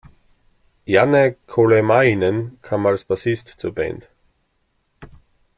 Janne Kolehmainen kam als Bassist zur Band.